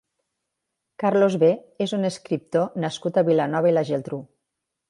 Carlos Be és un escriptor nascut a Vilanova i la Geltrú.